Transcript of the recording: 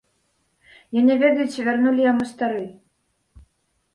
Я не ведаю, ці вярнулі яму стары.